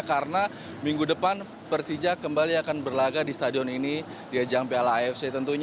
karena minggu depan persija kembali akan berlaga di stadion ini di ajang piala afc tentunya